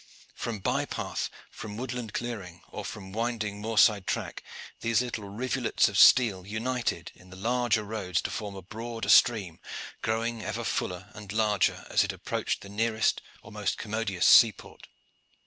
From bye path, from woodland clearing, or from winding moor side track these little rivulets of steel united in the larger roads to form a broader stream, growing ever fuller and larger as it approached the nearest or most commodious seaport.